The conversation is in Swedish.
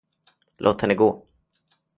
Låt henne gå!